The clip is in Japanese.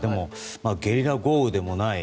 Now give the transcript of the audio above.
ゲリラ豪雨でもない。